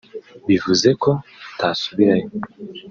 bivuze ko atasubirayo